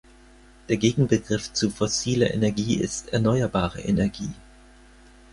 Der Gegenbegriff zu fossiler Energie ist erneuerbare Energie.